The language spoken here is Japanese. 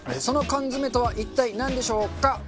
その缶詰とは一体なんでしょうか？